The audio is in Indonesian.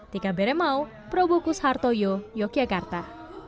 tika bere mau probokus hartoyo yogyakarta